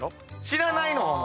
知らないの方の。